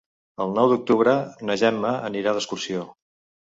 El nou d'octubre na Gemma anirà d'excursió.